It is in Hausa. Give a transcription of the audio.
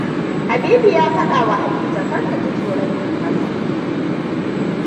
Habibu ya fadawa Hadiza kar ya ji tsoron yin hakan.